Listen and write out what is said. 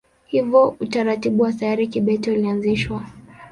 Hivyo utaratibu wa sayari kibete ulianzishwa.